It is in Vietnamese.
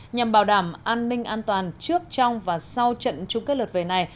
nhằm bảo đảm an ninh an toàn trước trong và sau trận chung kết lượt về này